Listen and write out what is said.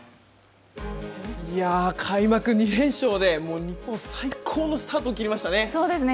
開幕２連勝で、日本、最高のスタートをそうですね。